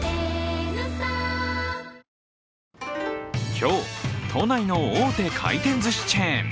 今日、都内の大手回転ずしチェーン